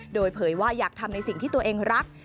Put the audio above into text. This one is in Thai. โดยเผยว่าอยากทำในสิ่งที่ตัวเองรัก